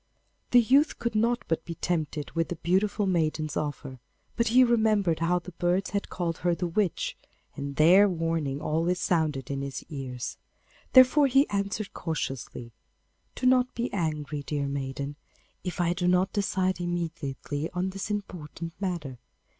The youth could not but be tempted with the beautiful maiden's offer, but he remembered how the birds had called her the witch, and their warning always sounded in his ears. Therefore he answered cautiously, 'Do not be angry, dear maiden, if I do not decide immediately on this important matter.